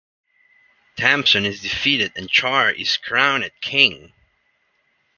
Tamson is defeated and Char is crowned king.